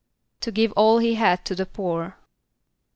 =To give all he had to the poor.